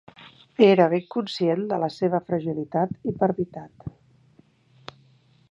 Era ben conscient de la seva fragilitat i parvitat.